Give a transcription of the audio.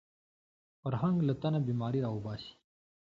فرهنګ له تنه بیماري راوباسي